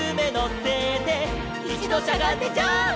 「いちどしゃがんでジャンプ！」